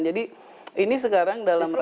ini sekarang dalam rangka